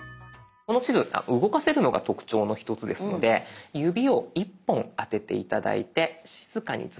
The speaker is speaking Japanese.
この地図動かせるのが特徴の１つですので指を１本当てて頂いて静かにズラしてみて下さい。